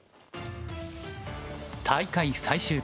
大会最終日。